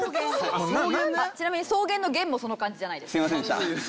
ちなみに草原の「原」もその漢字じゃないです。